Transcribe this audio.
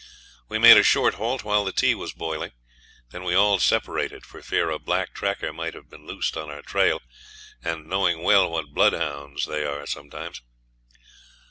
We made a short halt while the tea was boiling, then we all separated for fear a black tracker might have been loosed on our trail, and knowing well what bloodhounds they are sometimes.